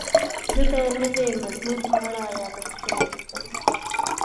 زه د نوي مضمون په اړه یادښتونه لیکم.